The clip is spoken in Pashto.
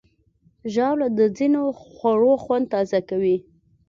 ژاوله د ځینو خوړو خوند تازه کوي.